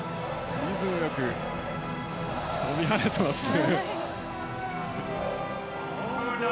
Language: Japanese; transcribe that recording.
リズムよく飛び跳ねてますね。